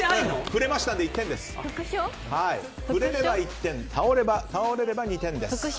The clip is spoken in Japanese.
触れれば１点、倒れれば２点です。